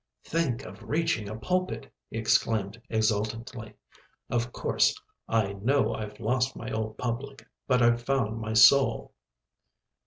"Think of reaching a pulpit," he exclaimed exultantly. "Of course, I know I've lost my old public but I've found my soul."